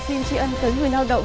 xin trí ân tới người lao động